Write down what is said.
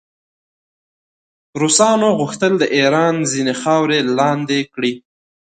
روسانو غوښتل د ایران ځینې خاورې لاندې کړي.